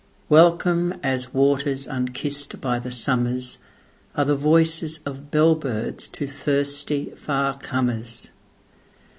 Welcome as waters unkissed by the summersAre the voices of bell birds to thirsty far comers.